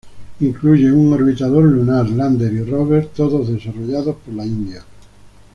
Incluye un orbitador lunar, lander y rover, todos desarrollados por la India.